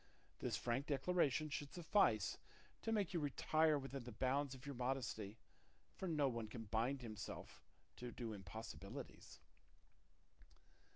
This frank declaration should suffice to make you retire within the bounds of your modesty, for no one can bind himself to do impossibilities."